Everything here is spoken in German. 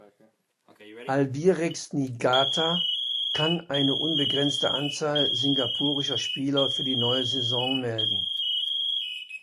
Albirex Niigata kann eine unbegrenzte Anzahl singapurischer Spieler für die neue Saison melden.